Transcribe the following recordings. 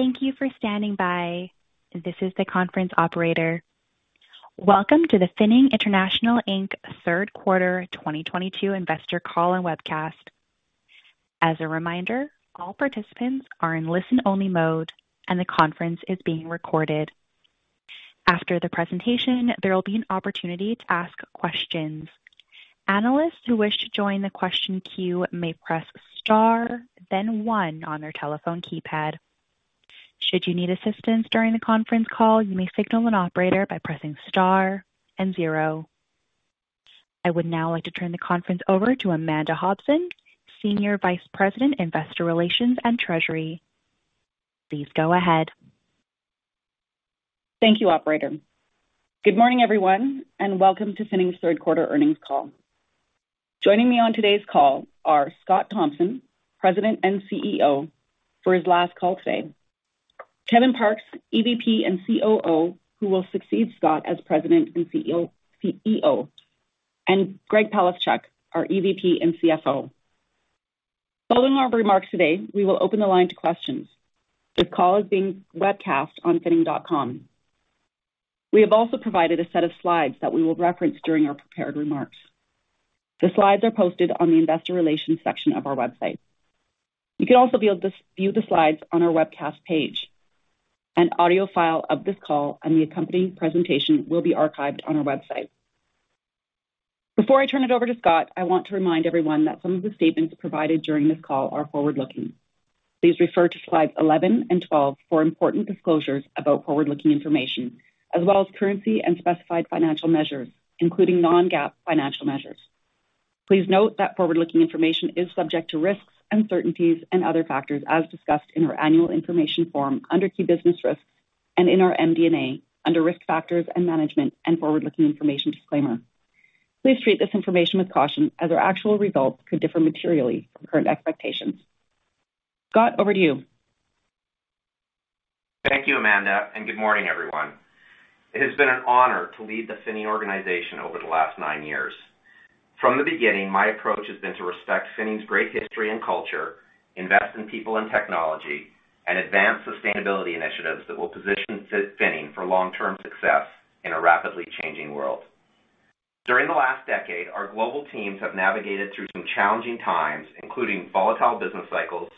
Thank you for standing by. This is the conference operator. Welcome to the Finning International Inc. third quarter 2022 investor call and webcast. As a reminder, all participants are in listen-only mode, and the conference is being recorded. After the presentation, there will be an opportunity to ask questions. Analysts who wish to join the question queue may press star then one on their telephone keypad. Should you need assistance during the conference call, you may signal an operator by pressing star and zero. I would now like to turn the conference over to Amanda Hobson, Senior Vice President, Investor Relations and Treasury. Please go ahead. Thank you, operator. Good morning, everyone, and welcome to Finning's third quarter earnings call. Joining me on today's call are Scott Thomson, President and CEO, for his last call today, Kevin Parkes, EVP and COO, who will succeed Scott as President and CEO, and Greg Palaschuk, our EVP and CFO. Following our remarks today, we will open the line to questions. This call is being webcast on finning.com. We have also provided a set of slides that we will reference during our prepared remarks. The slides are posted on the investor relations section of our website. You can also be able to view the slides on our webcast page. An audio file of this call and the accompanying presentation will be archived on our website. Before I turn it over to Scott, I want to remind everyone that some of the statements provided during this call are forward-looking. Please refer to slides 11 and 12 for important disclosures about forward-looking information, as well as currency and specified financial measures, including non-GAAP financial measures. Please note that forward-looking information is subject to risks, uncertainties, and other factors as discussed in our annual information form under Key Business Risks and in our MD&A under Risk Factors and Management and forward-looking information disclaimer. Please treat this information with caution as our actual results could differ materially from current expectations. Scott, over to you. Thank you, Amanda, and good morning, everyone. It has been an honor to lead the Finning organization over the last nine years. From the beginning, my approach has been to respect Finning's great history and culture, invest in people and technology, and advance sustainability initiatives that will position Finning for long-term success in a rapidly changing world. During the last decade, our global teams have navigated through some challenging times, including volatile business cycles,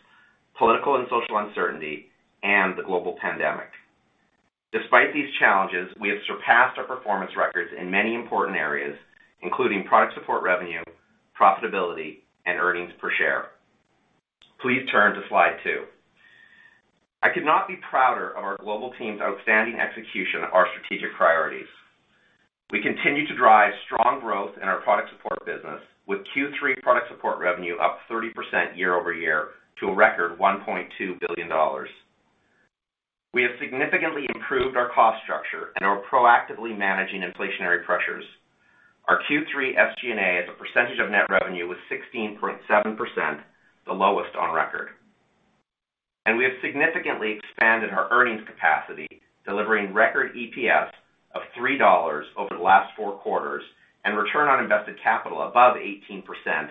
political and social uncertainty, and the global pandemic. Despite these challenges, we have surpassed our performance records in many important areas, including product support revenue, profitability, and earnings per share. Please turn to slide two. I could not be prouder of our global team's outstanding execution of our strategic priorities. We continue to drive strong growth in our product support business with Q3 product support revenue up 30% year-over-year to a record 1.2 billion dollars. We have significantly improved our cost structure and are proactively managing inflationary pressures. Our Q3 SG&A as a percentage of net revenue was 16.7%, the lowest on record. We have significantly expanded our earnings capacity, delivering record EPS of 3 dollars over the last four quarters and return on invested capital above 18%,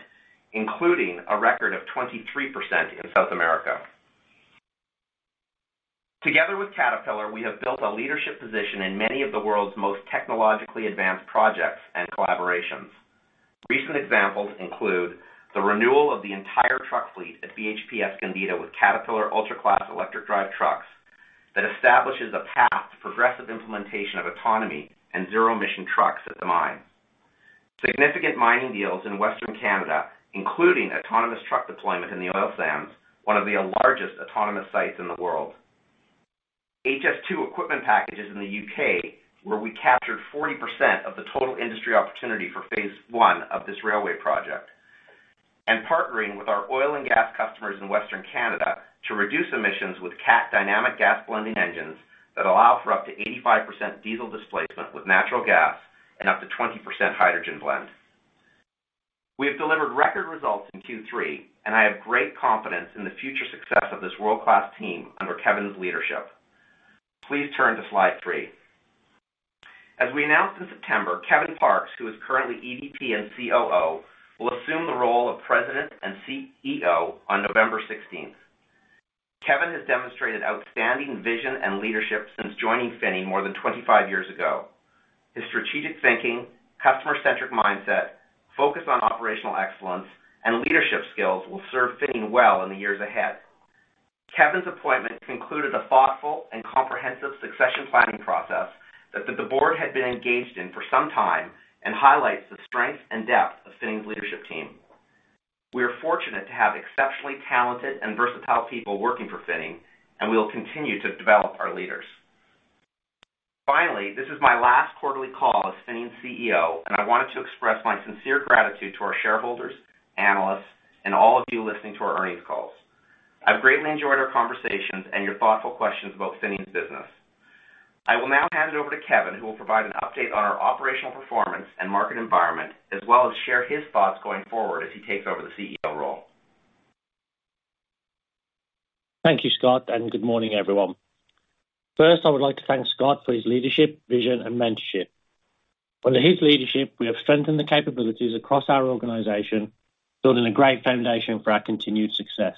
including a record of 23% in South America. Together with Caterpillar, we have built a leadership position in many of the world's most technologically advanced projects and collaborations. Recent examples include the renewal of the entire truck fleet at BHP Escondida with Caterpillar Ultra Class electric drive trucks that establishes a path to progressive implementation of autonomy and zero-emission trucks at the mine. Significant mining deals in Western Canada, including autonomous truck deployment in the oil sands, one of the largest autonomous sites in the world. HS2 equipment packages in the U.K., where we captured 40% of the total industry opportunity for phase 1 of this railway project. Partnering with our oil and gas customers in Western Canada to reduce emissions with Cat Dynamic Gas Blending engines that allow for up to 85% diesel displacement with natural gas and up to 20% hydrogen blend. We have delivered record results in Q3, and I have great confidence in the future success of this world-class team under Kevin's leadership. Please turn to slide 3. As we announced in September, Kevin Parkes, who is currently EVP & COO, will assume the role of President & CEO on November 16th. Kevin has demonstrated outstanding vision and leadership since joining Finning more than 25 years ago. His strategic thinking, customer-centric mindset, focus on operational excellence, and leadership skills will serve Finning well in the years ahead. Kevin's appointment concluded a thoughtful and comprehensive succession planning process that the board had been engaged in for some time and highlights the strength and depth of Finning's leadership team. We are fortunate to have exceptionally talented and versatile people working for Finning, and we will continue to develop our leaders. Finally, this is my last quarterly call as Finning's CEO, and I wanted to express my sincere gratitude to our shareholders, analysts, and all of you listening to our earnings calls. I've greatly enjoyed our conversations and your thoughtful questions about Finning's business. I will now hand it over to Kevin, who will provide an update on our operational performance and market environment, as well as share his thoughts going forward as he takes over the CEO role. Thank you, Scott, and good morning, everyone. First, I would like to thank Scott for his leadership, vision, and mentorship. Under his leadership, we have strengthened the capabilities across our organization, building a great foundation for our continued success.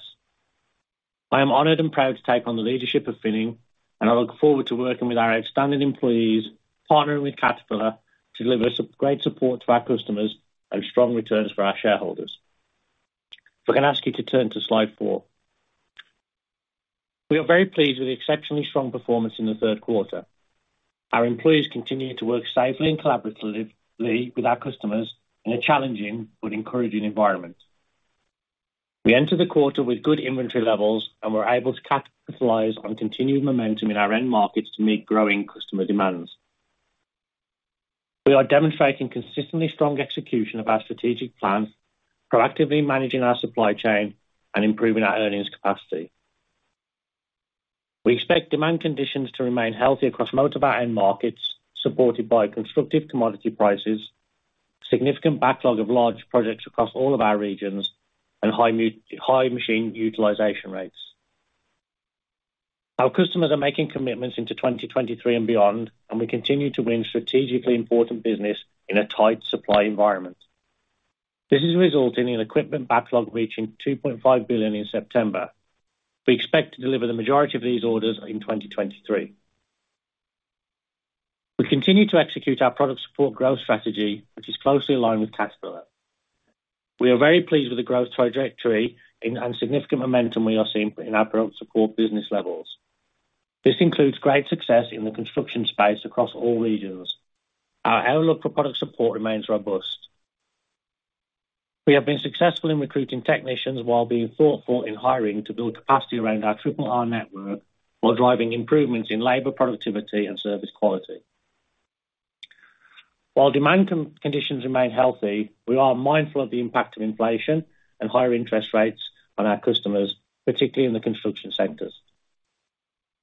I am honored and proud to take on the leadership of Finning, and I look forward to working with our outstanding employees, partnering with Caterpillar to deliver some great support to our customers and strong returns for our shareholders. If I can ask you to turn to slide four. We are very pleased with the exceptionally strong performance in the third quarter. Our employees continue to work safely and collaboratively with our customers in a challenging but encouraging environment. We entered the quarter with good inventory levels, and we're able to capitalize on continued momentum in our end markets to meet growing customer demands. We are demonstrating consistently strong execution of our strategic plans, proactively managing our supply chain and improving our earnings capacity. We expect demand conditions to remain healthy across most of our end markets, supported by constructive commodity prices, significant backlog of large projects across all of our regions, and high machine utilization rates. Our customers are making commitments into 2023 and beyond, and we continue to win strategically important business in a tight supply environment. This is resulting in equipment backlog reaching 2.5 billion in September. We expect to deliver the majority of these orders in 2023. We continue to execute our product support growth strategy, which is closely aligned with Caterpillar. We are very pleased with the growth trajectory and significant momentum we are seeing in our product support business levels. This includes great success in the construction space across all regions. Our outlook for product support remains robust. We have been successful in recruiting technicians while being thoughtful in hiring to build capacity around our triple R network while driving improvements in labor productivity and service quality. While demand conditions remain healthy, we are mindful of the impact of inflation and higher interest rates on our customers, particularly in the construction sector.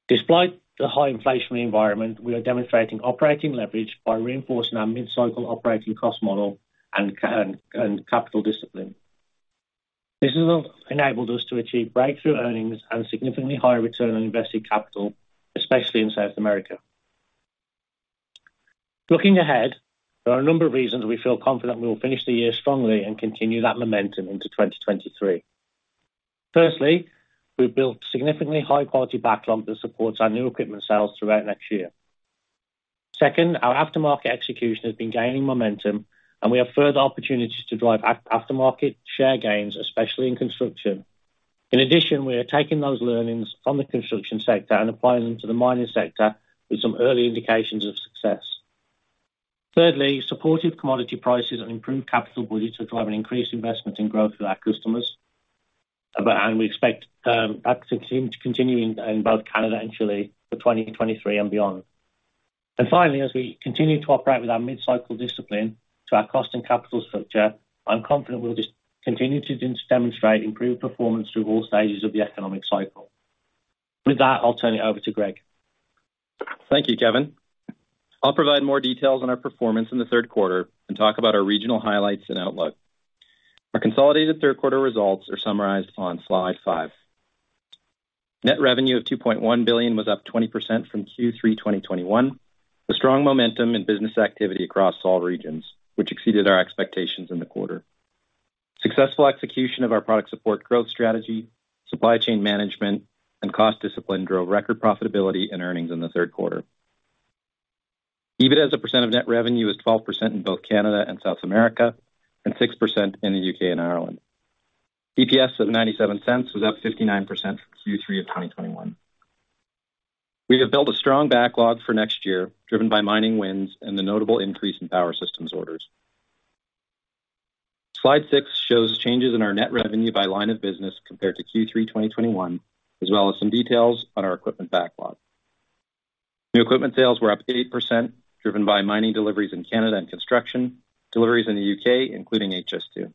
Despite the high inflationary environment, we are demonstrating operating leverage by reinforcing our mid-cycle operating cost model and capital discipline. This has enabled us to achieve breakthrough earnings and significantly higher return on invested capital, especially in South America. Looking ahead, there are a number of reasons we feel confident we will finish the year strongly and continue that momentum into 2023. Firstly, we've built significantly high-quality backlog that supports our new equipment sales throughout next year. Second, our aftermarket execution has been gaining momentum, and we have further opportunities to drive aftermarket share gains, especially in construction. In addition, we are taking those learnings from the construction sector and applying them to the mining sector with some early indications of success. Thirdly, supportive commodity prices and improved capital budgets will drive an increased investment in growth for our customers, and we expect that to continue in both Canada and Chile for 2023 and beyond. Finally, as we continue to operate with our mid-cycle discipline to our cost and capital structure, I'm confident we'll just continue to demonstrate improved performance through all stages of the economic cycle. With that, I'll turn it over to Greg. Thank you, Kevin. I'll provide more details on our performance in the third quarter and talk about our regional highlights and outlook. Our consolidated third quarter results are summarized on slide 5. Net revenue of 2.1 billion was up 20% from Q3 2021. The strong momentum in business activity across all regions, which exceeded our expectations in the quarter. Successful execution of our product support growth strategy, supply chain management, and cost discipline drove record profitability and earnings in the third quarter. EBIT as a percent of net revenue was 12% in both Canada and South America and 6% in the U.K. and Ireland. EPS of 0.97 was up 59% from Q3 2021. We have built a strong backlog for next year, driven by mining wins and the notable increase in power systems orders. Slide 6 shows changes in our net revenue by line of business compared to Q3 2021, as well as some details on our equipment backlog. New equipment sales were up 8%, driven by mining deliveries in Canada and construction deliveries in the U.K., including HS2.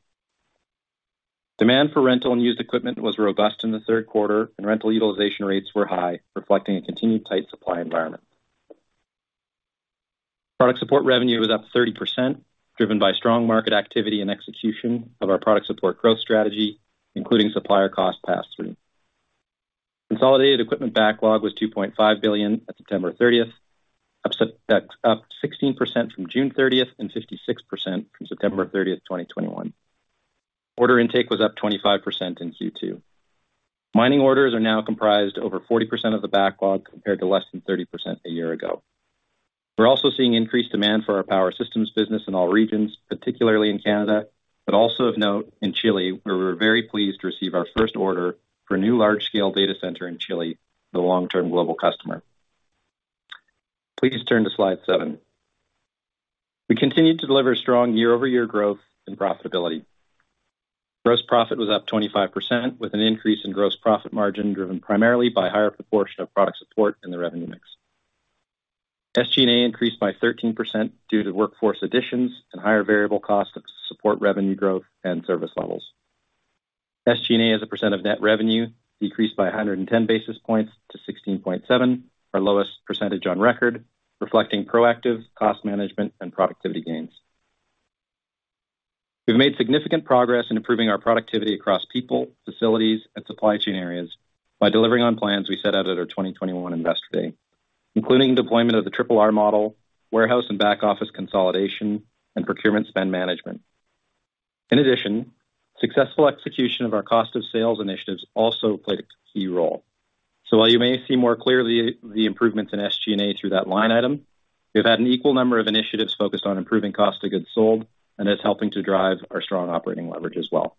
Demand for rental and used equipment was robust in the third quarter, and rental utilization rates were high, reflecting a continued tight supply environment. Product support revenue was up 30%, driven by strong market activity and execution of our product support growth strategy, including supplier cost pass-through. Consolidated equipment backlog was 2.5 billion at September 30, that's up 16% from June 30 and 56% from September 30, 2021. Order intake was up 25% in Q2. Mining orders are now comprised over 40% of the backlog, compared to less than 30% a year ago. We're also seeing increased demand for our Power Systems business in all regions, particularly in Canada, but also of note in Chile, where we're very pleased to receive our first order for a new large-scale data center in Chile with a long-term global customer. Please turn to slide 7. We continued to deliver strong year-over-year growth and profitability. Gross profit was up 25%, with an increase in gross profit margin driven primarily by higher proportion of product support in the revenue mix. SG&A increased by 13% due to workforce additions and higher variable cost of support revenue growth and service levels. SG&A, as a % of net revenue, decreased by 110 basis points to 16.7%, our lowest % on record, reflecting proactive cost management and productivity gains. We've made significant progress in improving our productivity across people, facilities, and supply chain areas by delivering on plans we set out at our 2021 investor day, including deployment of the triple R model, warehouse and back-office consolidation, and procurement spend management. In addition, successful execution of our cost of sales initiatives also played a key role. While you may see more clearly the improvements in SG&A through that line item, we've had an equal number of initiatives focused on improving cost of goods sold and is helping to drive our strong operating leverage as well.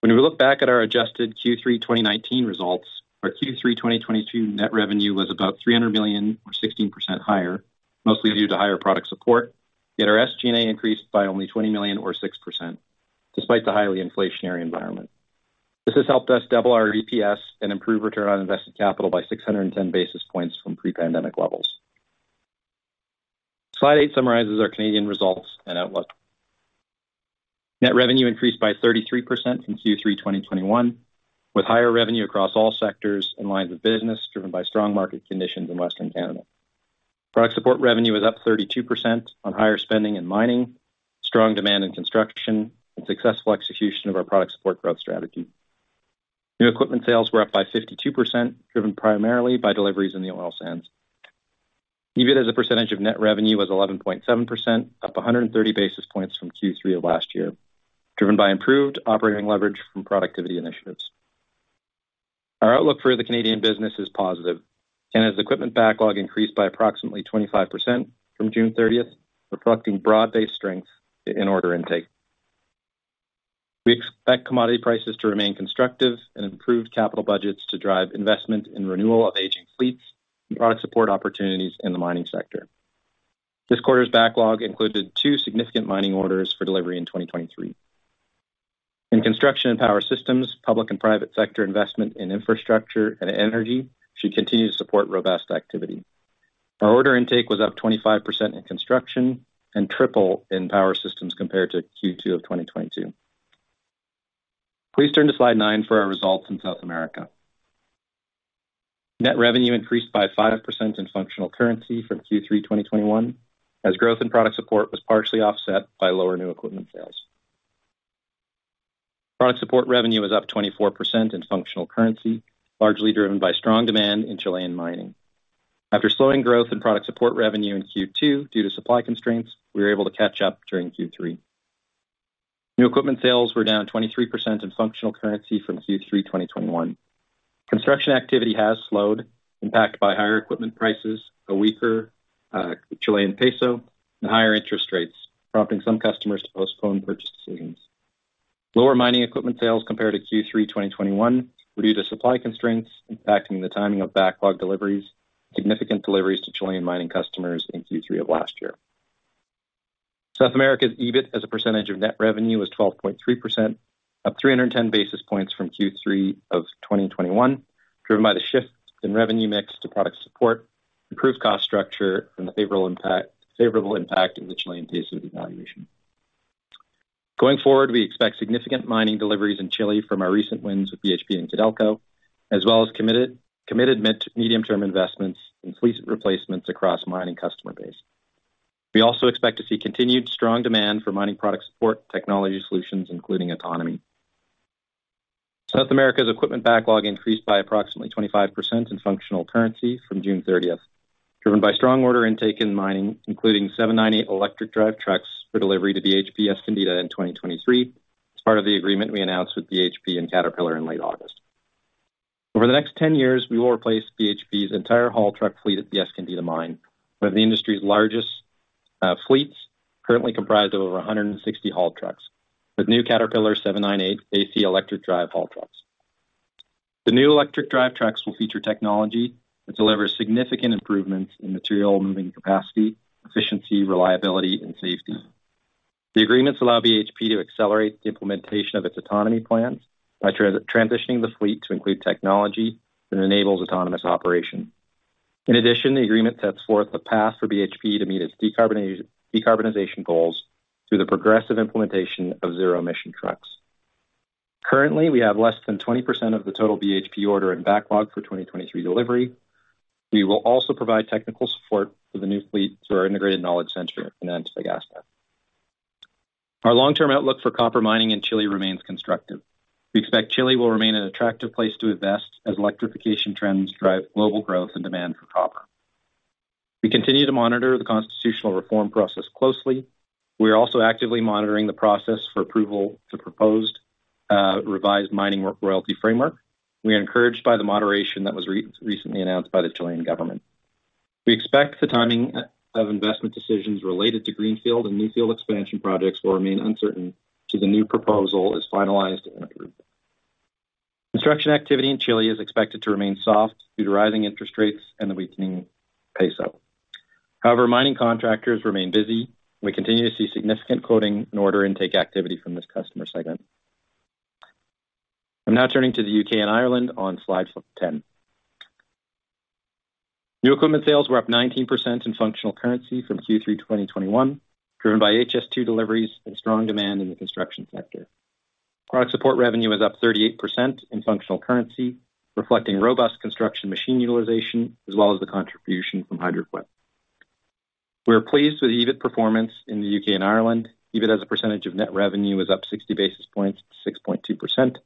When we look back at our adjusted Q3 2019 results, our Q3 2022 net revenue was about 300 million or 16% higher, mostly due to higher product support, yet our SG&A increased by only 20 million or 6% despite the highly inflationary environment. This has helped us double our EPS and improve return on invested capital by 610 basis points from pre-pandemic levels. Slide 8 summarizes our Canadian results and outlook. Net revenue increased by 33% from Q3 2021, with higher revenue across all sectors and lines of business driven by strong market conditions in Western Canada. Product support revenue was up 32% on higher spending in mining, strong demand in construction, and successful execution of our product support growth strategy. New equipment sales were up by 52%, driven primarily by deliveries in the oil sands. EBIT as a percentage of net revenue was 11.7%, up 130 basis points from Q3 of last year, driven by improved operating leverage from productivity initiatives. Our outlook for the Canadian business is positive. Canada's equipment backlog increased by approximately 25% from June 30, reflecting broad-based strength in order intake. We expect commodity prices to remain constructive and improved capital budgets to drive investment in renewal of aging fleets and product support opportunities in the mining sector. This quarter's backlog included two significant mining orders for delivery in 2023. In construction and power systems, public and private sector investment in infrastructure and energy should continue to support robust activity. Our order intake was up 25% in construction and triple in power systems compared to Q2 of 2022. Please turn to slide 9 for our results in South America. Net revenue increased by 5% in functional currency from Q3 2021, as growth in product support was partially offset by lower new equipment sales. Product support revenue was up 24% in functional currency, largely driven by strong demand in Chilean mining. After slowing growth in product support revenue in Q2 due to supply constraints, we were able to catch up during Q3. New equipment sales were down 23% in functional currency from Q3 2021. Construction activity has slowed, impacted by higher equipment prices, a weaker Chilean peso, and higher interest rates, prompting some customers to postpone purchase decisions. Lower mining equipment sales compared to Q3 2021 were due to supply constraints impacting the timing of backlog deliveries, significant deliveries to Chilean mining customers in Q3 of last year. South America's EBIT as a percentage of net revenue was 12.3%, up 310 basis points from Q3 of 2021, driven by the shift in revenue mix to product support, improved cost structure, and the favorable impact of the Chilean peso devaluation. Going forward, we expect significant mining deliveries in Chile from our recent wins with BHP and Codelco, as well as committed medium-term investments in fleet replacements across mining customer base. We also expect to see continued strong demand for mining product support technology solutions, including autonomy. South America's equipment backlog increased by approximately 25% in functional currency from June 30, driven by strong order intake in mining, including 798 electric drive trucks for delivery to BHP Escondida in 2023 as part of the agreement we announced with BHP and Caterpillar in late August. Over the next 10 years, we will replace BHP's entire haul truck fleet at the Escondida mine, one of the industry's largest fleets, currently comprised of over 160 haul trucks, with new Caterpillar 798 AC electric drive haul trucks. The new electric drive trucks will feature technology that delivers significant improvements in material moving capacity, efficiency, reliability, and safety. The agreements allow BHP to accelerate the implementation of its autonomy plans by transitioning the fleet to include technology that enables autonomous operation. In addition, the agreement sets forth a path for BHP to meet its decarbonization goals through the progressive implementation of zero-emission trucks. Currently, we have less than 20% of the total BHP order in backlog for 2023 delivery. We will also provide technical support for the new fleet through our integrated knowledge center in Antofagasta. Our long-term outlook for copper mining in Chile remains constructive. We expect Chile will remain an attractive place to invest as electrification trends drive global growth and demand for copper. We continue to monitor the constitutional reform process closely. We are also actively monitoring the process for approval of the proposed revised mining royalty framework. We are encouraged by the moderation that was recently announced by the Chilean government. We expect the timing of investment decisions related to greenfield and new field expansion projects will remain uncertain till the new proposal is finalized and approved. Construction activity in Chile is expected to remain soft due to rising interest rates and the weakening peso. However, mining contractors remain busy, and we continue to see significant quoting and order intake activity from this customer segment. I'm now turning to the U.K. and Ireland on slide 10. New equipment sales were up 19% in functional currency from Q3 2021, driven by HS2 deliveries and strong demand in the construction sector. Product support revenue is up 38% in functional currency, reflecting robust construction machine utilization as well as the contribution from Hydraquip. We are pleased with EBIT performance in the U.K. and Ireland. EBIT as a percentage of net revenue is up 60 basis points to 6.2%,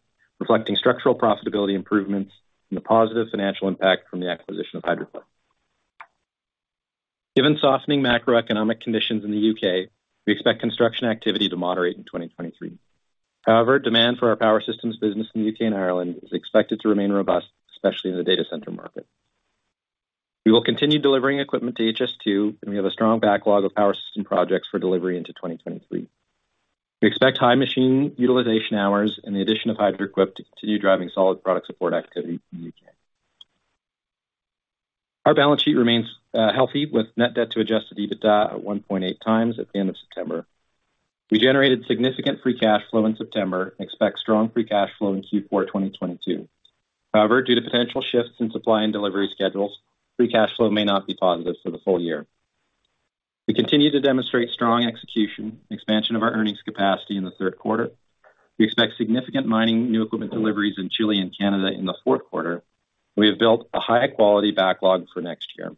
reflecting structural profitability improvements and the positive financial impact from the acquisition of Hydraquip. Given softening macroeconomic conditions in the U.K., we expect construction activity to moderate in 2023. However, demand for our power systems business in the U.K. and Ireland is expected to remain robust, especially in the data center market. We will continue delivering equipment to HS2, and we have a strong backlog of power system projects for delivery into 2023. We expect high machine utilization hours and the addition of Hydraquip to continue driving solid product support activity in the U.K.. Our balance sheet remains healthy, with net debt to adjusted EBITDA at 1.8 times at the end of September. We generated significant free cash flow in September and expect strong free cash flow in Q4 2022. However, due to potential shifts in supply and delivery schedules, free cash flow may not be positive for the full year. We continue to demonstrate strong execution and expansion of our earnings capacity in the third quarter. We expect significant mining new equipment deliveries in Chile and Canada in the fourth quarter. We have built a high quality backlog for next year.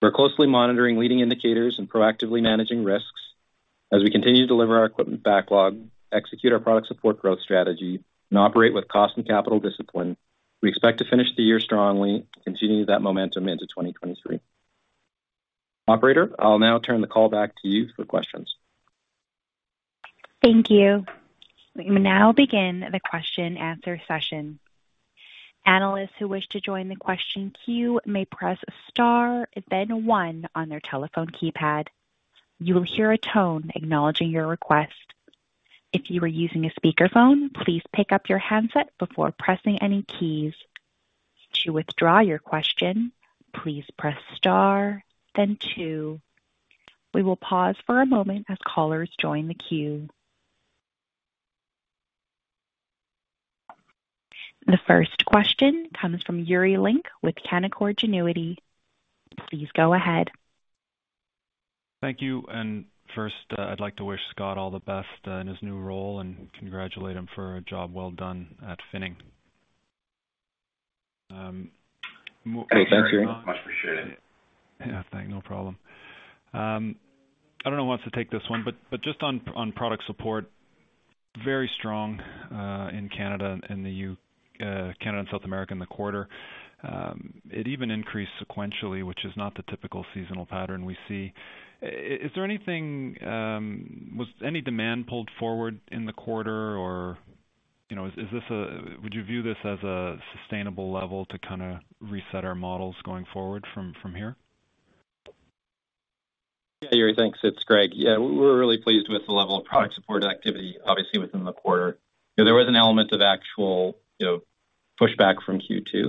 We're closely monitoring leading indicators and proactively managing risks. As we continue to deliver our equipment backlog, execute our product support growth strategy, and operate with cost and capital discipline, we expect to finish the year strongly, continuing that momentum into 2023. Operator, I'll now turn the call back to you for questions. Thank you. We may now begin the question-answer session. Analysts who wish to join the question queue may press star then one on their telephone keypad. You will hear a tone acknowledging your request. If you are using a speakerphone, please pick up your handset before pressing any keys. To withdraw your question, please press star then two. We will pause for a moment as callers join the queue. The first question comes from Yuri Lynk with Canaccord Genuity. Please go ahead. Thank you. First, I'd like to wish Scott all the best in his new role and congratulate him for a job well done at Finning. Thanks, Yuri. Much appreciated. Yeah. No problem. I don't know who wants to take this one, but just on product support, very strong in Canada and South America in the quarter. It even increased sequentially, which is not the typical seasonal pattern we see. Is there anything? Was any demand pulled forward in the quarter? Or, you know, would you view this as a sustainable level to kinda reset our models going forward from here? Yeah, Yuri, thanks. It's Greg. Yeah, we're really pleased with the level of product support activity, obviously within the quarter. There was an element of actual, you know, pushback from Q2.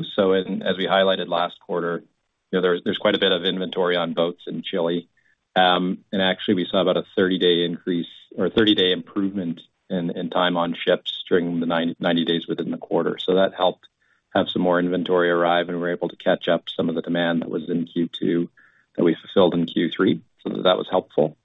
As we highlighted last quarter, you know, there's quite a bit of inventory on boats in Chile. Actually, we saw about a 30-day increase or 30-day improvement in time on ships during the 90 days within the quarter. That helped have some more inventory arrive, and we were able to catch up some of the demand that was in Q2 that we fulfilled in Q3. That was helpful.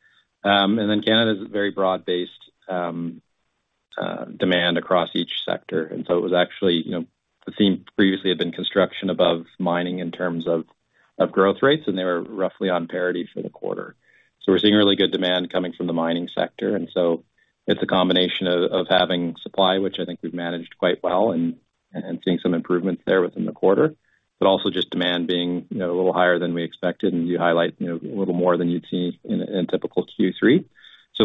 Canada is a very broad-based demand across each sector. It was actually, you know, the theme previously had been construction above mining in terms of growth rates, and they were roughly on parity for the quarter. We're seeing really good demand coming from the mining sector. It's a combination of having supply, which I think we've managed quite well and seeing some improvements there within the quarter, but also just demand being, you know, a little higher than we expected. You highlight, you know, a little more than you'd see in a typical Q3.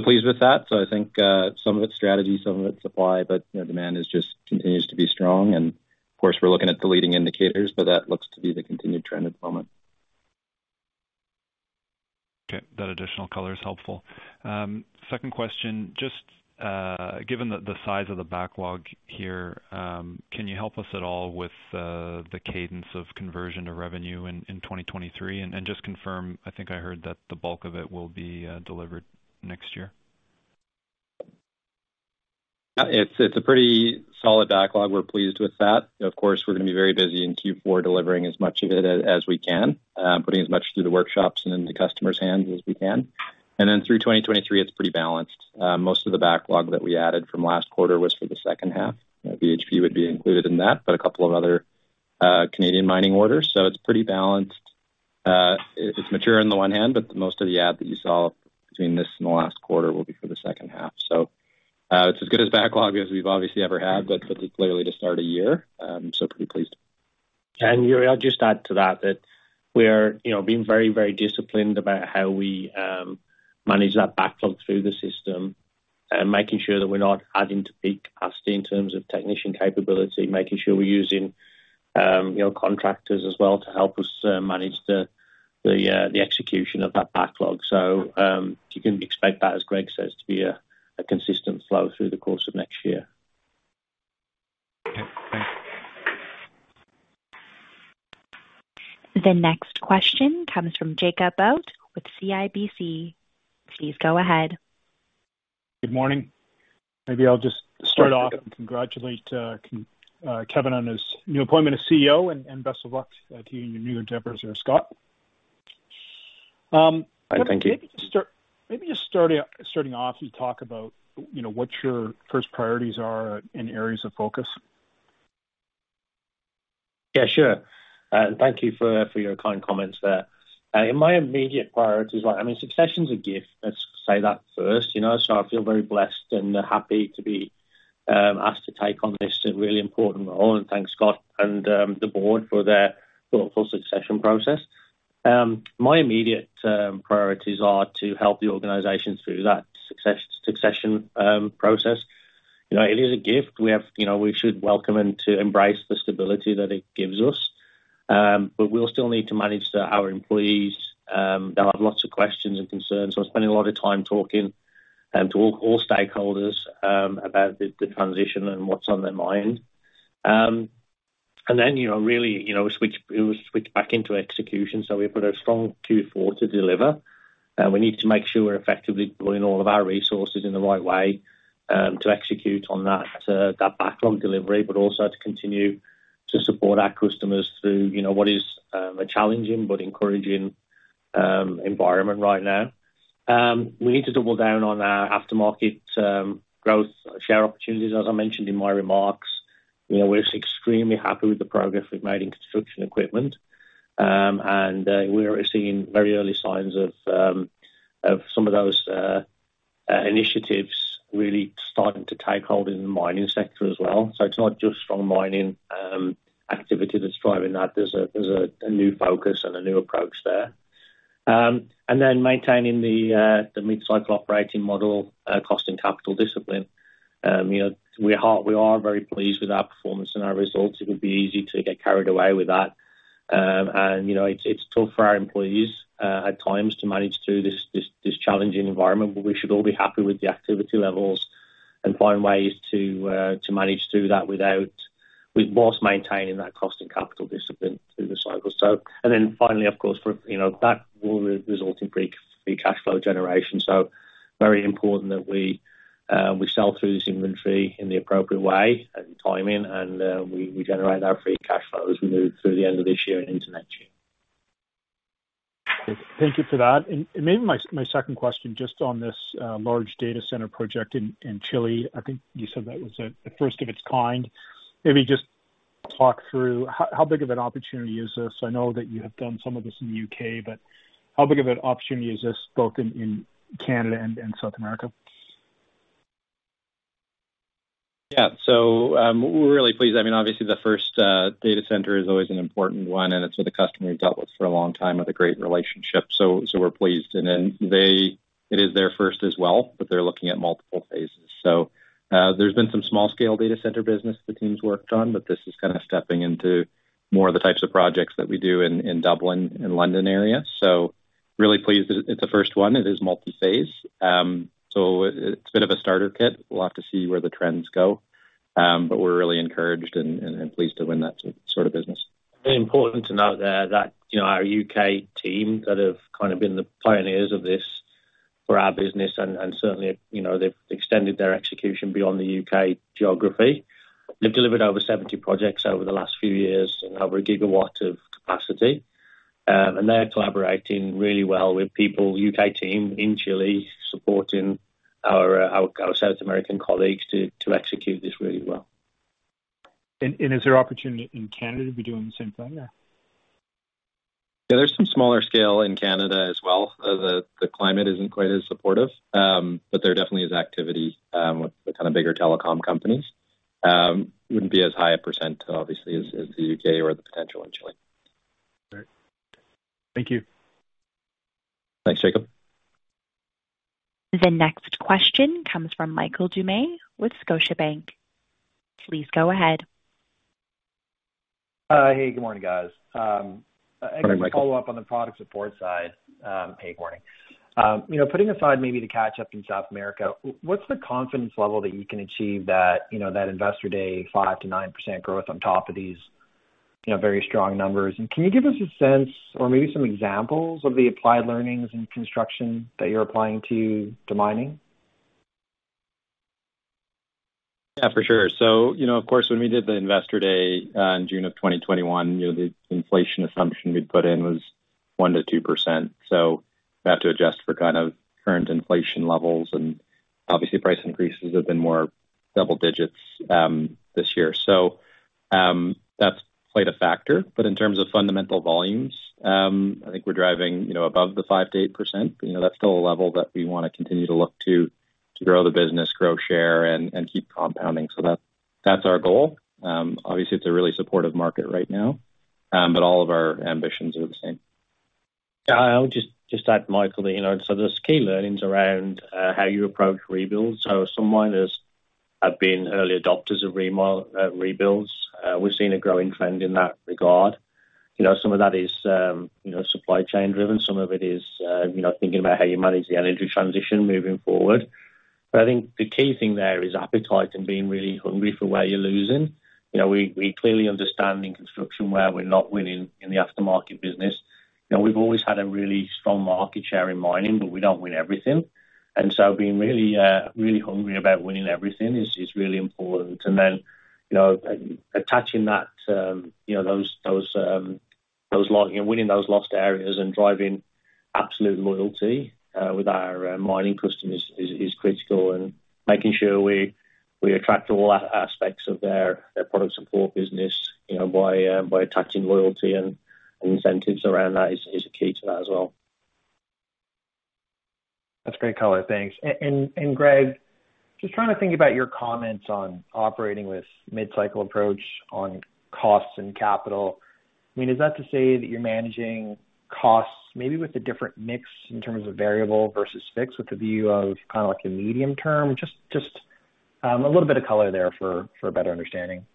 Pleased with that. I think some of it's strategy, some of it's supply, but, you know, demand is just continues to be strong. Of course, we're looking at the leading indicators, but that looks to be the continued trend at the moment. Okay. That additional color is helpful. Second question, just given the size of the backlog here, can you help us at all with the cadence of conversion to revenue in 2023? Just confirm, I think I heard that the bulk of it will be delivered next year. Yeah. It's a pretty solid backlog. We're pleased with that. Of course, we're gonna be very busy in Q4 delivering as much of it as we can, putting as much through the workshops and into customers' hands as we can. Through 2023, it's pretty balanced. Most of the backlog that we added from last quarter was for the second half. BHP would be included in that, but a couple of other Canadian mining orders. It's pretty balanced. It's mature on the one hand, but most of the add that you saw between this and the last quarter will be for the second half. It's as good a backlog as we've obviously ever had, but particularly to start a year. Pretty pleased. Yuri, I'll just add to that we're, you know, being very, very disciplined about how we manage that backlog through the system and making sure that we're not adding to peak capacity in terms of technician capability, making sure we're using, you know, contractors as well to help us manage the execution of that backlog. You can expect that, as Greg says, to be a consistent flow through the course of next year. Okay. Thanks. The next question comes from Jacob Bout with CIBC. Please go ahead. Good morning. Maybe I'll just start off and congratulate Kevin on his new appointment as CEO and best of luck to you in your new endeavors there, Scott. Maybe just start off you talk about, you know, what your first priorities are in areas of focus. Yeah, sure. Thank you for your kind comments there. My immediate priorities are. I mean, succession is a gift. Let's say that first, you know. I feel very blessed and happy to be asked to take on this really important role. Thanks, Scott and the board for their thoughtful succession process. My immediate priorities are to help the organization through that succession process. You know, it is a gift we have. You know, we should welcome and to embrace the stability that it gives us. But we'll still need to manage our employees. They'll have lots of questions and concerns, so spending a lot of time talking to all stakeholders about the transition and what's on their mind. You know, really, you know, switch back into execution. We've got a strong Q4 to deliver, and we need to make sure we're effectively pulling all of our resources in the right way to execute on that backlog delivery, but also to continue to support our customers through, you know, what is a challenging but encouraging environment right now. We need to double down on our aftermarket growth share opportunities, as I mentioned in my remarks. You know, we're extremely happy with the progress we've made in construction equipment. We're seeing very early signs of some of those initiatives really starting to take hold in the mining sector as well. It's not just from mining activity that's driving that. There's a new focus and a new approach there. Maintaining the mid-cycle operating model, cost and capital discipline. You know, we are very pleased with our performance and our results. It would be easy to get carried away with that. You know, it's tough for our employees at times to manage through this challenging environment, but we should all be happy with the activity levels and find ways to manage through that without whilst maintaining that cost and capital discipline through the cycle. Finally, of course, for you know, that will result in free cash flow generation. Very important that we sell through this inventory in the appropriate way and timing and we generate our free cash flow as we move through the end of this year and into next year. Thank you for that. Maybe my second question just on this large data center project in Chile. I think you said that was a first of its kind. Maybe just talk through how big of an opportunity is this? I know that you have done some of this in the U.K., but how big of an opportunity is this both in Canada and in South America? Yeah. We're really pleased. I mean, obviously, the first data center is always an important one, and it's with a customer we've dealt with for a long time with a great relationship. We're pleased. It is their first as well, but they're looking at multiple phases. There's been some small scale data center business the team's worked on, but this is kind of stepping into more of the types of projects that we do in Dublin and London area. Really pleased. It's the first one. It is multi-phase. It's a bit of a starter kit. We'll have to see where the trends go. We're really encouraged and pleased to win that sort of business. Very important to note there that, you know, our U.K. team that have kind of been the pioneers of this for our business and certainly, you know, they've extended their execution beyond the U.K. geography. They've delivered over 70 projects over the last few years and over a gigawatt of capacity. They're collaborating really well with people, U.K. team in Chile, supporting our South American colleagues to execute this really well. Is there opportunity in Canada to be doing the same thing there? Yeah, there's some smaller scale in Canada as well. The climate isn't quite as supportive. But there definitely is activity with the kind of bigger telecom companies. Wouldn't be as high a percent, obviously, as the U.K. or the potential in Chile. Great. Thank you. Thanks, Jacob. The next question comes from Michael Doumet with Scotiabank. Please go ahead. Hey, good morning, guys. Morning, Michael. I can follow up on the product support side. Hey, good morning. You know, putting aside maybe the catch up in South America, what's the confidence level that you can achieve that, you know, that Investor Day 5%-9% growth on top of these, you know, very strong numbers? Can you give us a sense or maybe some examples of the applied learnings in construction that you're applying to mining. Yeah, for sure. You know, of course, when we did the Investor Day in June of 2021, you know, the inflation assumption we'd put in was 1%-2%. We have to adjust for kind of current inflation levels. Obviously, price increases have been in double digits this year. That's played a factor. In terms of fundamental volumes, I think we're driving above the 5%-8%. You know, that's still a level that we wanna continue to look to grow the business, grow share and keep compounding. That's our goal. Obviously, it's a really supportive market right now. All of our ambitions are the same. Yeah. I would just add, Michael, that, you know, there's key learnings around how you approach rebuilds. Some miners have been early adopters of rebuilds. We've seen a growing trend in that regard. You know, some of that is, you know, supply chain driven. Some of it is, you know, thinking about how you manage the energy transition moving forward. I think the key thing there is appetite and being really hungry for where you're losing. You know, we clearly understand in construction where we're not winning in the aftermarket business. You know, we've always had a really strong market share in mining, but we don't win everything. Being really hungry about winning everything is really important. You know, attaching that, those locking and winning those lost areas and driving absolute loyalty with our mining customers is critical. Making sure we attract all aspects of their product support business, you know, by attaching loyalty and incentives around that is a key to that as well. That's great color. Thanks. Greg, just trying to think about your comments on operating with mid-cycle approach on costs and capital. I mean, is that to say that you're managing costs maybe with a different mix in terms of variable versus fixed with the view of kinda like a medium term? Just a little bit of color there for a better understanding.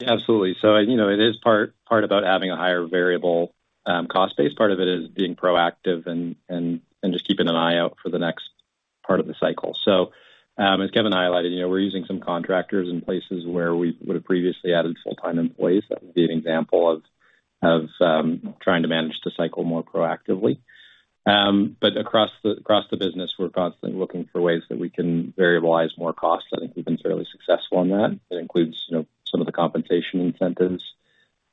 Yeah, absolutely. You know, it is part about having a higher variable cost base. Part of it is being proactive and just keeping an eye out for the next part of the cycle. As Kevin highlighted, you know, we're using some contractors in places where we would've previously added full-time employees. That would be an example of trying to manage the cycle more proactively. Across the business, we're constantly looking for ways that we can variabilize more costs. I think we've been fairly successful in that. It includes, you know, some of the compensation incentives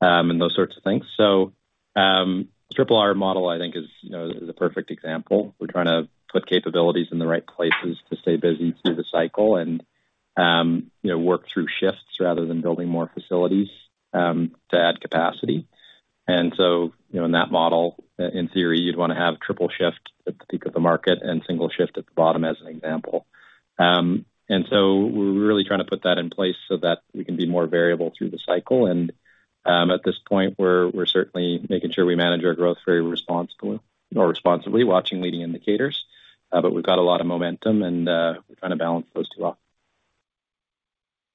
and those sorts of things. Triple R model, I think is, you know, the perfect example. We're trying to put capabilities in the right places to stay busy through the cycle and, you know, work through shifts rather than building more facilities, to add capacity. You know, in that model, in theory, you'd wanna have triple shift at the peak of the market and single shift at the bottom as an example. We're really trying to put that in place so that we can be more variable through the cycle. At this point we're certainly making sure we manage our growth very responsible or responsibly watching leading indicators. We've got a lot of momentum and, we're trying to balance those two off.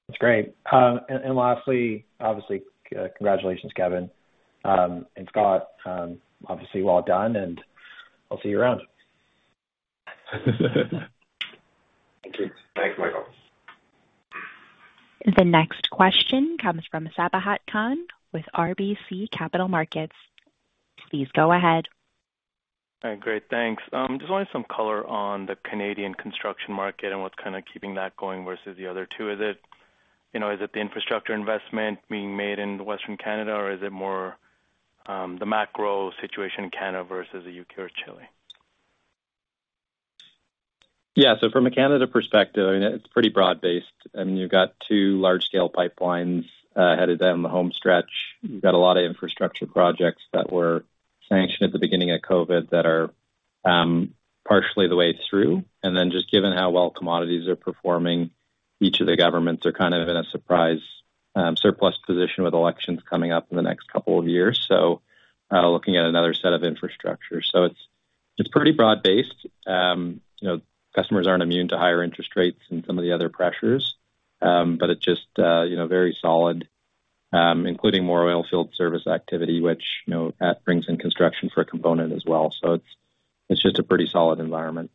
That's great. Lastly, obviously, congratulations, Kevin and Scott. Obviously well done, and I'll see you around. Thank you. Thanks, Michael. The next question comes from Sabahat Khan with RBC Capital Markets. Please go ahead. All right, great. Thanks. Just wanted some color on the Canadian construction market and what's kinda keeping that going versus the other two. Is it, you know, is it the infrastructure investment being made in Western Canada, or is it more, the macro situation in Canada versus the U.K. or Chile? Yeah. From a Canada perspective, I mean, it's pretty broad-based. I mean, you've got two large scale pipelines headed down the home stretch. You've got a lot of infrastructure projects that were sanctioned at the beginning of COVID that are partially the way through. Then just given how well commodities are performing, each of the governments are kind of in a surprise surplus position with elections coming up in the next couple of years. Looking at another set of infrastructure. It's pretty broad based. You know, customers aren't immune to higher interest rates and some of the other pressures. You know, very solid, including more oil field service activity, which, you know, that brings in construction for a component as well. It's just a pretty solid environment.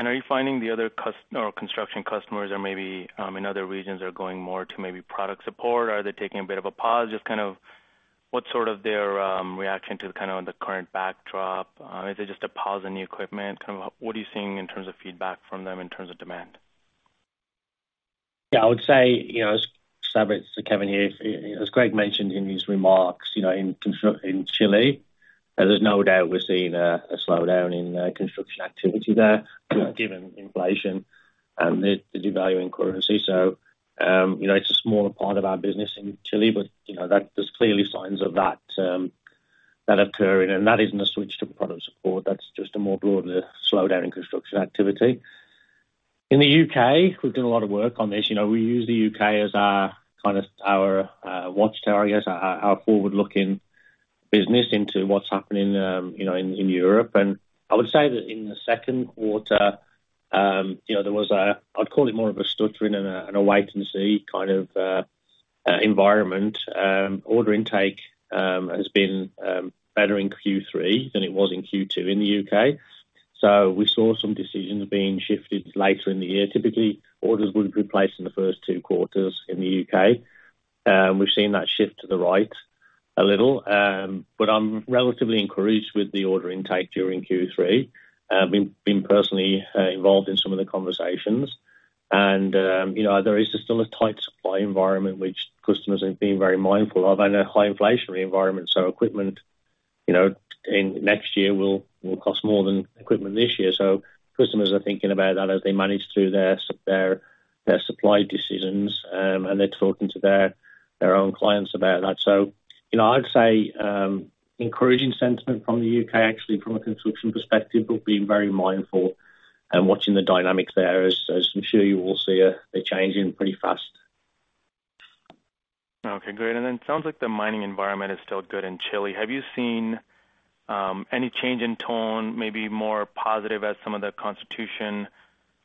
Are you finding the other construction customers are maybe in other regions are going more to maybe product support? Are they taking a bit of a pause? Just kind of what's sort of their reaction to kind of the current backdrop? Is it just a pause on new equipment? Kind of what are you seeing in terms of feedback from them in terms of demand? Yeah, I would say, you know, Sabahat, it's Kevin here. As Greg mentioned in his remarks, you know, in Chile, there's no doubt we're seeing a slowdown in construction activity there given inflation and the devaluing currency. It's a smaller part of our business in Chile, but you know that there's clearly signs of that occurring, and that isn't a switch to product support, that's just a more broader slowdown in construction activity. In the U.K., we've done a lot of work on this. You know, we use the U.K. as our kind of watchtower, I guess, our forward-looking business into what's happening, you know, in Europe. I would say that in the second quarter, you know, there was a. I'd call it more of a stuttering and a wait and see kind of environment. Order intake has been better in Q3 than it was in Q2 in the U.K.. We saw some decisions being shifted later in the year. Typically, orders would be placed in the first two quarters in the U.K.. We've seen that shift to the right a little. I'm relatively encouraged with the order intake during Q3, been personally involved in some of the conversations and, you know, there is still a tight supply environment which customers are being very mindful of and a high inflationary environment. Equipment, you know, in next year will cost more than equipment this year. Customers are thinking about that as they manage through their supply decisions. They're talking to their own clients about that. I'd say encouraging sentiment from the U.K. actually from a construction perspective, but being very mindful and watching the dynamics there as I'm sure you will see, they're changing pretty fast. Okay, great. It sounds like the mining environment is still good in Chile. Have you seen any change in tone, maybe more positive as some of the constitution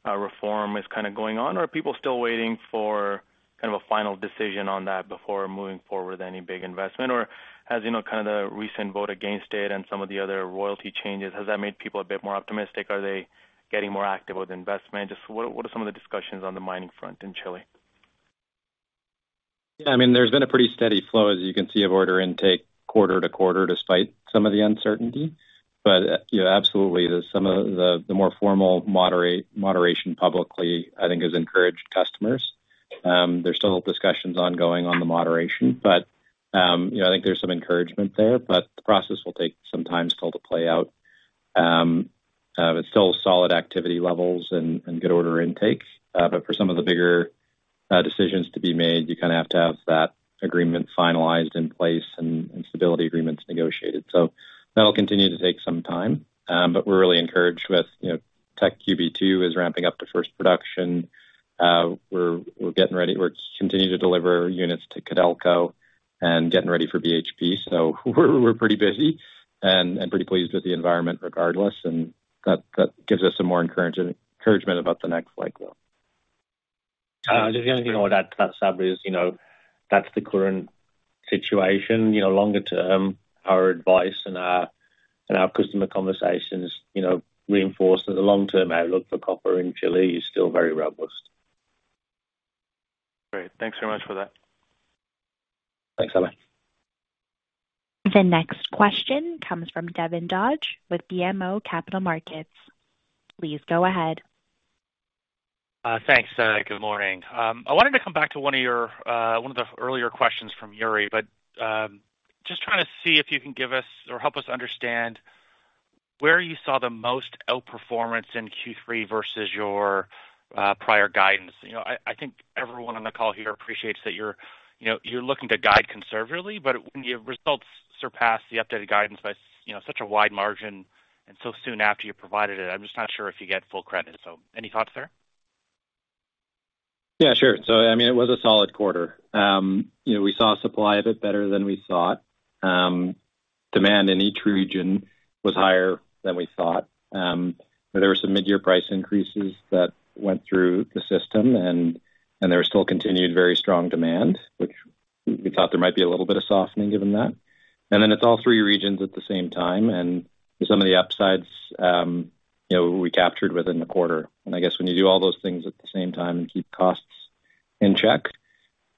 reform is kinda going on, or are people still waiting for kind of a final decision on that before moving forward with any big investment? Or has, you know, kind of the recent vote against it and some of the other royalty changes, has that made people a bit more optimistic? Are they getting more active with investment? Just what are some of the discussions on the mining front in Chile? Yeah, I mean, there's been a pretty steady flow, as you can see, of order intake quarter to quarter despite some of the uncertainty. You know, absolutely there's some of the more formal moderation publicly, I think has encouraged customers. There's still discussions ongoing on the moderation. You know, I think there's some encouragement there, but the process will take some time still to play out. Still solid activity levels and good order intakes. For some of the bigger decisions to be made, you kinda have to have that agreement finalized in place and stability agreements negotiated. That'll continue to take some time. We're really encouraged with, you know, Teck QB2 is ramping up to first production. We're getting ready. We're continuing to deliver units to Codelco and getting ready for BHP. We're pretty busy and pretty pleased with the environment regardless, and that gives us some more encouragement about the next leg growth. The only thing I would add to that, Sab, is, you know, that's the current situation. You know, longer term, our advice and our customer conversations, you know, reinforce that the long-term outlook for copper in Chile is still very robust. Great. Thanks very much for that. Thanks Kevin. The next question comes from Devin Dodge with BMO Capital Markets. Please go ahead. Thanks. Good morning. I wanted to come back to one of the earlier questions from Yuri, but just trying to see if you can give us or help us understand where you saw the most outperformance in Q3 versus your prior guidance. You know, I think everyone on the call here appreciates that you're, you know, you're looking to guide conservatively, but when your results surpass the updated guidance by, you know, such a wide margin and so soon after you provided it, I'm just not sure if you get full credit. Any thoughts there? Yeah, sure. I mean, it was a solid quarter. You know, we saw supply a bit better than we thought. Demand in each region was higher than we thought. There were some mid-year price increases that went through the system and there was still continued very strong demand, which we thought there might be a little bit of softening given that. Then it's all three regions at the same time and some of the upsides, you know, we captured within the quarter. I guess when you do all those things at the same time and keep costs in check,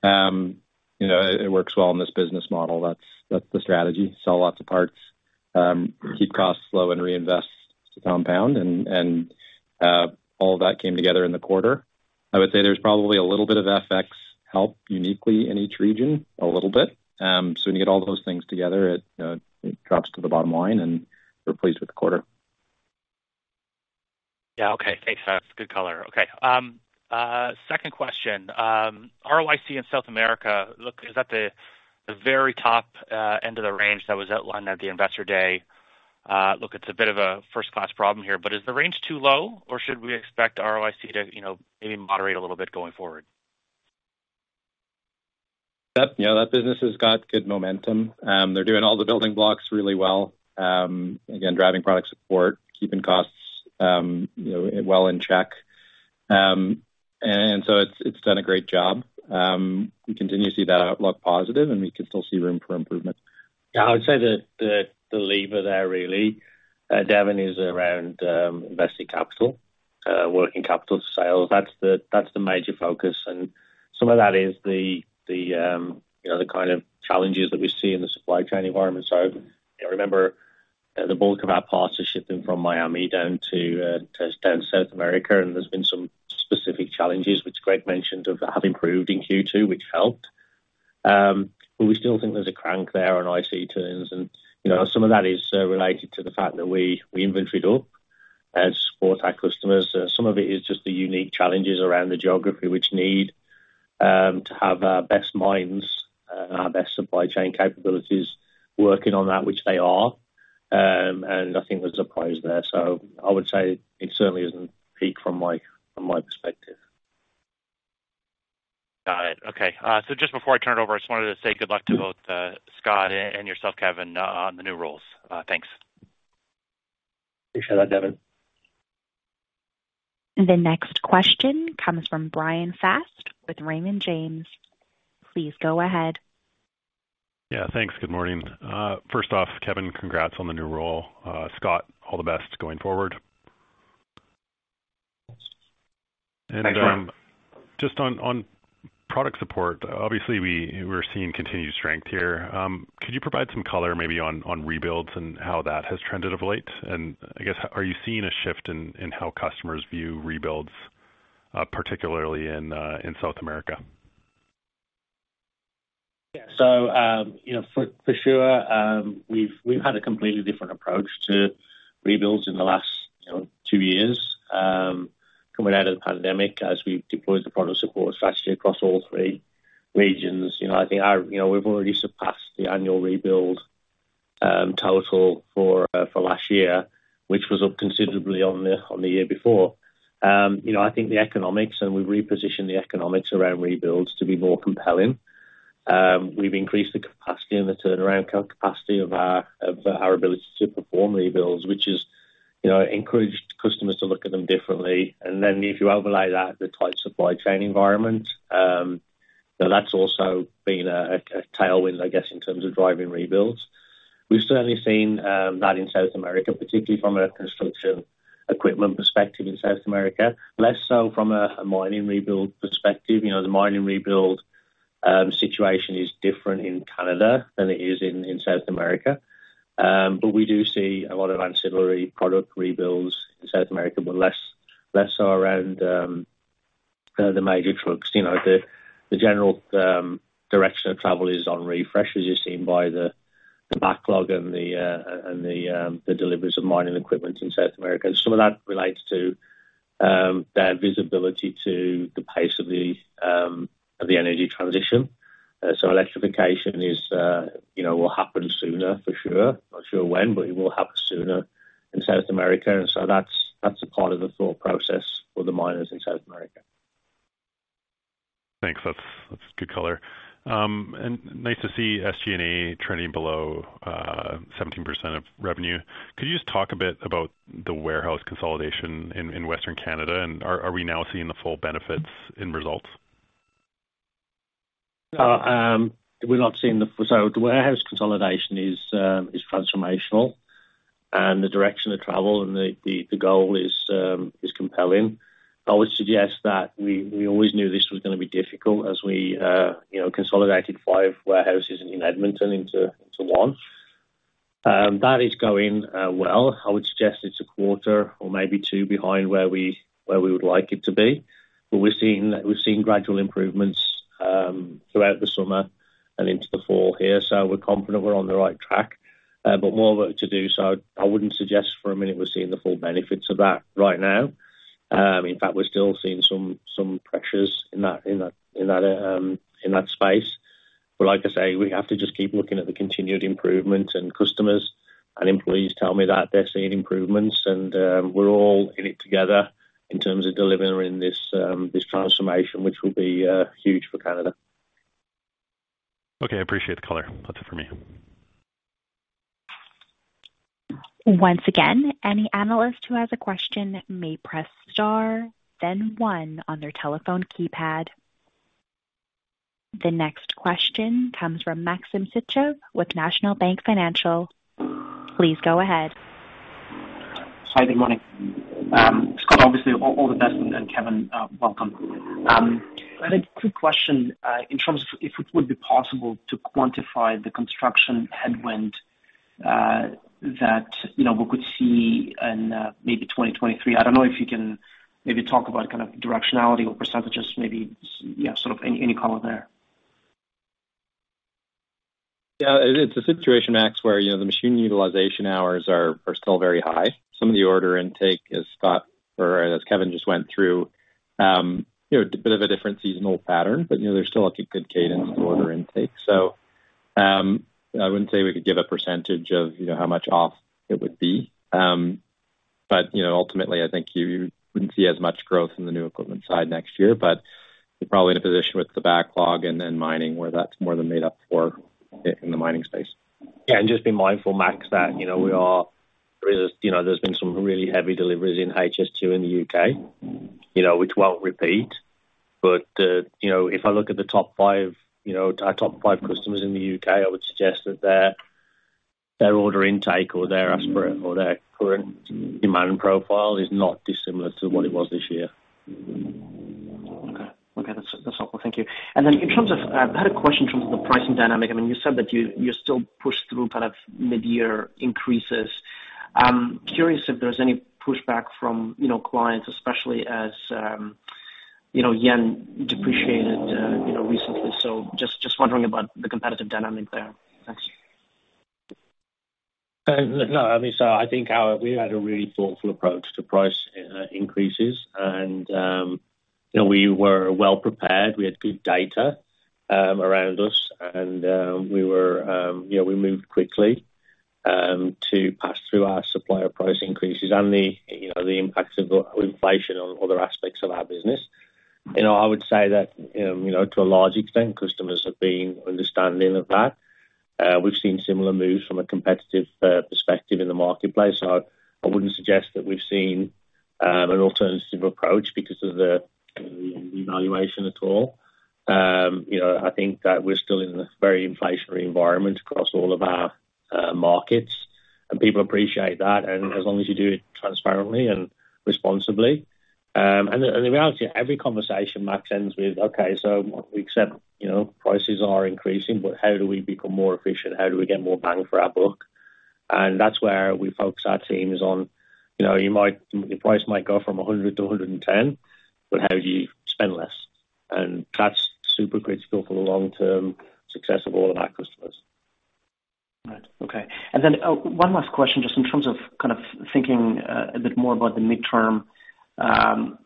you know, it works well in this business model. That's the strategy. Sell lots of parts, keep costs low and reinvest to compound and all of that came together in the quarter. I would say there's probably a little bit of FX help uniquely in each region, a little bit. When you get all those things together, it, you know, drops to the bottom line, and we're pleased with the quarter. Yeah. Okay. Thanks. That's good color. Okay. Second question. ROIC in South America looks at the very top end of the range that was outlined at the investor day. Look, it's a bit of a first class problem here, but is the range too low, or should we expect ROIC to, you know, maybe moderate a little bit going forward? That, you know, that business has got good momentum. They're doing all the building blocks really well. Again, driving product support, keeping costs, you know, well in check. It's done a great job. We continue to see that outlook positive, and we can still see room for improvement Yeah. I would say the lever there really, Devin, is around invested capital, working capital sales. That's the major focus. Some of that is the you know, the kind of challenges that we see in the supply chain environment. You know, remember, you know, the bulk of our parts are shipping from Miami down to South America, and there's been some specific challenges which Greg mentioned have improved in Q2, which helped. We still think there's a kink there on IC turns and, you know, some of that is related to the fact that we inventoried up to support our customers. Some of it is just the unique challenges around the geography which need to have our best minds and our best supply chain capabilities working on that, which they are. Nothing was surprising there. I would say it certainly isn't peak from my perspective. Got it. Okay. Just before I turn it over, I just wanted to say good luck to both, Scott and yourself, Kevin, on the new roles. Thanks. Appreciate that, Devin. The next question comes from Bryan Fast with Raymond James. Please go ahead. Yeah, thanks. Good morning. First off, Kevin, congrats on the new role. Scott, all the best going forward. Thanks, Bryan. Just on product support, obviously we're seeing continued strength here. Could you provide some color maybe on rebuilds and how that has trended of late? I guess, are you seeing a shift in how customers view rebuilds, particularly in South America? Yeah. You know, for sure, we've had a completely different approach to rebuilds in the last two years, coming out of the pandemic as we've deployed the product support strategy across all three regions. You know, we've already surpassed the annual rebuild total for last year, which was up considerably on the year before. You know, I think the economics and we repositioned the economics around rebuilds to be more compelling. We've increased the capacity and the turnaround capacity of our ability to perform rebuilds, which has encouraged customers to look at them differently. If you overlay that, the tight supply chain environment, that's also been a tailwind, I guess, in terms of driving rebuilds. We've certainly seen that in South America, particularly from a construction equipment perspective in South America, less so from a mining rebuild perspective. You know, the mining rebuild situation is different in Canada than it is in South America. But we do see a lot of ancillary product rebuilds in South America, but less so around, you know, the major trucks. You know, the general direction of travel is on refresh, as you've seen by the backlog and the deliveries of mining equipment in South America. Some of that relates to their visibility to the pace of the energy transition. Electrification will happen sooner for sure. Not sure when, but it will happen sooner in South America. That's a part of the thought process for the miners in South America. Thanks. That's good color. Nice to see SG&A trending below 17% of revenue. Could you just talk a bit about the warehouse consolidation in Western Canada? Are we now seeing the full benefits in results? The warehouse consolidation is transformational, and the direction of travel and the goal is compelling. I would suggest that we always knew this was gonna be difficult as we, you know, consolidated five warehouses in Edmonton into one. That is going well. I would suggest it's a quarter or maybe two behind where we would like it to be. We're seeing gradual improvements throughout the summer and into the fall here, so we're confident we're on the right track. More work to do, so I wouldn't suggest for a minute we're seeing the full benefits of that right now. In fact, we're still seeing some pressures in that space. Like I say, we have to just keep looking at the continued improvements, and customers and employees tell me that they're seeing improvements. We're all in it together in terms of delivering this transformation, which will be huge for Canada. Okay. I appreciate the color. That's it for me. Once again, any analyst who has a question may press star then one on their telephone keypad. The next question comes from Maxim Sytchev with National Bank Financial. Please go ahead. Hi, good morning. Scott, obviously all the best, and Kevin, welcome. I had a quick question in terms of if it would be possible to quantify the construction headwind that, you know, we could see in maybe 2023. I don't know if you can maybe talk about kind of directionality or percentages maybe, sort of any color there. Yeah. It's a situation, Maxim, where, you know, the machine utilization hours are still very high. Some of the order intake as Scott or as Kevin just went through, you know, a bit of a different seasonal pattern, but, you know, there's still a good cadence to order intake. I wouldn't say we could give a percentage of, you know, how much off it would be. But, you know, ultimately, I think you wouldn't see as much growth in the new equipment side next year, but you're probably in a position with the backlog and then mining, where that's more than made up for in the mining space. Yeah, just be mindful, Max, that, you know, there is, you know, there's been some really heavy deliveries in HS2 in the U.K., you know, which won't repeat. You know, if I look at the top five, you know, our top five customers in the U.K., I would suggest that their order intake or their aspiration or their current demand profile is not dissimilar to what it was this year. Okay, that's helpful. Thank you. In terms of, I had a question in terms of the pricing dynamic. I mean, you said that you still push through kind of midyear increases. I'm curious if there's any pushback from, you know, clients, especially as, you know, yen depreciated, you know, recently. Just wondering about the competitive dynamic there. Thanks. No. I mean, I think we had a really thoughtful approach to price increases and, you know, we were well prepared. We had good data around us and, you know, we moved quickly to pass through our supplier price increases and the impact of the inflation on other aspects of our business. You know, I would say that, you know, to a large extent, customers have been understanding of that. We've seen similar moves from a competitive perspective in the marketplace. I wouldn't suggest that we've seen an alternative approach because of the valuation at all. You know, I think that we're still in a very inflationary environment across all of our markets, and people appreciate that. As long as you do it transparently and responsibly. The reality, every conversation Maxim ends with, "Okay, so we accept, you know, prices are increasing, but how do we become more efficient? How do we get more bang for our buck?" That's where we focus our teams on. You know, your price might go from $100 to $110, but how do you spend less? That's super critical for the long-term success of all of our customers. Right. Okay. One last question, just in terms of kind of thinking, a bit more about the midterm,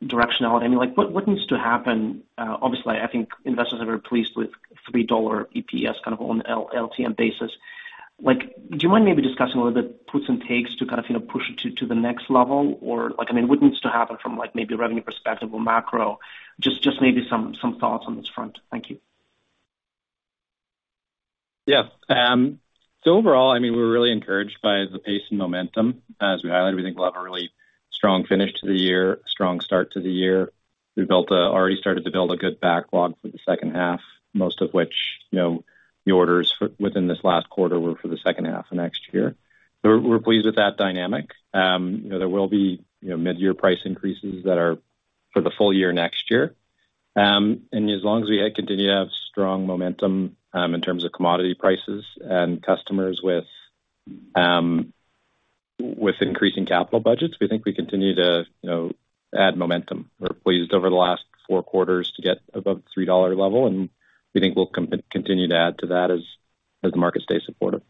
directionality. I mean, like what needs to happen? Obviously, I think investors are very pleased with 3 dollar EPS kind of on LTM basis. Like, do you mind maybe discussing a little bit puts and takes to kind of, you know, push it to the next level? Or like, I mean, what needs to happen from like maybe revenue perspective or macro? Just maybe some thoughts on this front. Thank you. Yeah. Overall, I mean, we're really encouraged by the pace and momentum. As we highlighted, we think we'll have a really strong finish to the year, strong start to the year. We already started to build a good backlog for the second half, most of which, you know, the orders within this last quarter were for the second half of next year. We're pleased with that dynamic. You know, there will be, you know, mid-year price increases that are for the full year next year. As long as we continue to have strong momentum in terms of commodity prices and customers with increasing capital budgets, we think we continue to, you know, add momentum. We're pleased over the last four quarters to get above 3 dollar level, and we think we'll continue to add to that as the market stays supportive.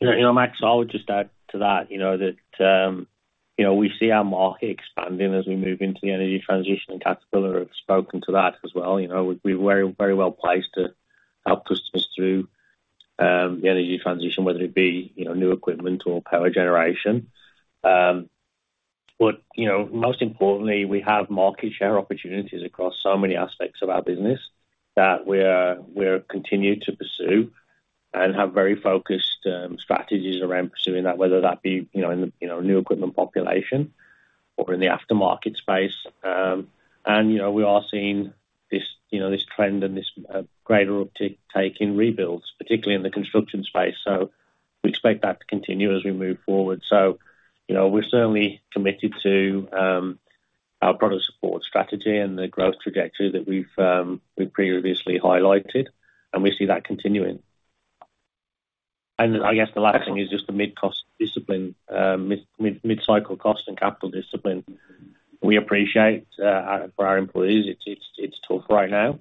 You know, Max, I would just add to that, you know, that we see our market expanding as we move into the energy transition, and Caterpillar have spoken to that as well. You know, we're very, very well placed to help customers through the energy transition, whether it be, you know, new equipment or power generation. But, you know, most importantly, we have market share opportunities across so many aspects of our business that we're continued to pursue and have very focused strategies around pursuing that, whether that be, you know, in new equipment population or in the aftermarket space. You know, we are seeing this trend and this greater uptake in rebuilds, particularly in the construction space. We expect that to continue as we move forward. You know, we're certainly committed to our product support strategy and the growth trajectory that we've previously highlighted, and we see that continuing. I guess the last thing is just the mid-cycle cost and capital discipline. We appreciate for our employees it's tough right now,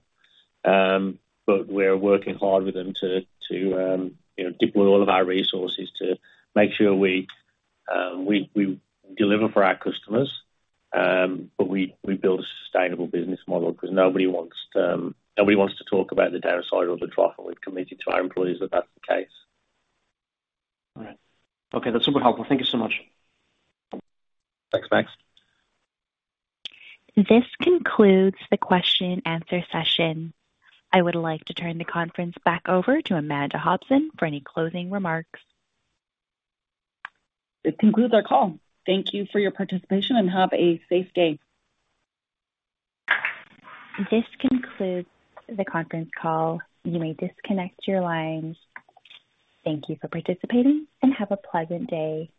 but we're working hard with them to you know, deploy all of our resources to make sure we deliver for our customers, but we build a sustainable business model because nobody wants to talk about the downside or the trough, and we've committed to our employees that that's the case. All right. Okay, that's super helpful. Thank you so much. Thanks, Max. This concludes the question and answer session. I would like to turn the conference back over to Amanda Hobson for any closing remarks. This concludes our call. Thank you for your participation and have a safe day. This concludes the conference call. You may disconnect your lines. Thank you for participating, and have a pleasant day.